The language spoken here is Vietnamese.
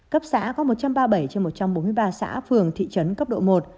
cấp xã có một trăm ba mươi bảy trên một trăm bốn mươi ba xã phường thị trấn cấp độ một